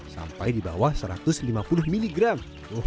sampai di bawah satu ratus lima puluh miligram